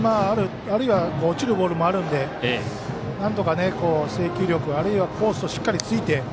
あるいは落ちるボールもあるのでなんとか制球力あるいはコースをしっかりついて。